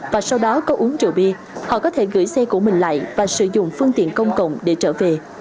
và sau đó có uống rượu bia họ có thể gửi xe của mình lại và sử dụng phương tiện công cộng để trở về